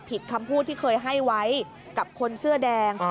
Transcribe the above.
คำพูดที่เคยให้ไว้กับคนเสื้อแดง